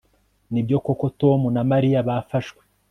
nibyo koko tom na mariya bafashwe